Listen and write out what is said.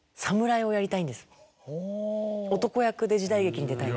男役で時代劇に出たい。